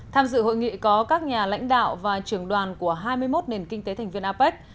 tham dự hội nghị có các nhà lãnh đạo và trưởng đoàn của hai mươi một nền kinh tế thành viên apec